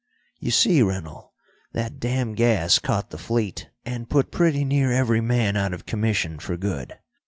"You see, Rennell, that damn gas caught the fleet and put pretty near every man out of commission for good.